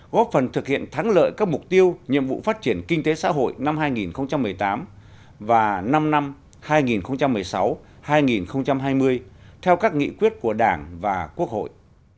góp phần thực hiện thắng lợi các mục tiêu nhiệm vụ phát triển kinh tế xã hội năm hai nghìn một mươi tám và năm năm hai nghìn một mươi sáu hai nghìn hai mươi theo các nghị quyết của đảng và quốc hội